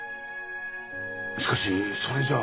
しかしそれじゃあ。